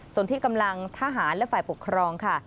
ส่วนที่กำลังทหารและฝ่ายปกครองค่ะ